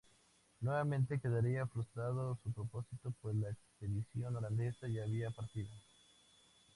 Nuevamente quedaría frustrado su propósito, pues la expedición holandesa ya había partido.